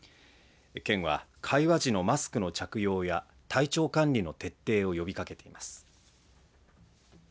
県は、会話時のマスクの着用や体調管理の徹底を呼びかけています。